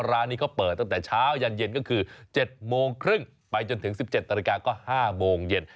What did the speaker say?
ร้านนี้เขาเปิดตั้งแต่เช้ายันเย็นก็คือ๗๓๐ไปจนถึง๑๗ตรก็๕โมงเย็น